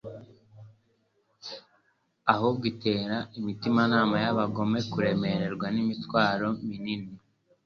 Ahubwo itera umutimanama w'abagome kuremererwa n'imitwaro minini